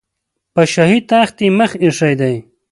په شاهي تخت یې مخ ایښی دی.